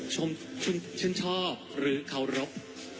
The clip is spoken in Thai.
ชมชื่นชอบหรือเค้ารบ